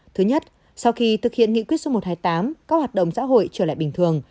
thứ nhất sau khi thực hiện nghị quyết số một trăm hai mươi tám các hoạt động xã hội trở lại bình thường